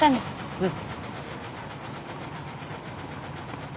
うん。